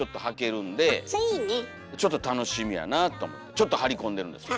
ちょっとはりこんでるんですよ